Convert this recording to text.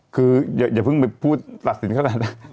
คืออย่าเพิ่งไปพูดตัดสินขนาดนั้น